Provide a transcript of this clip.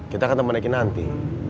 kita akan temannya nanti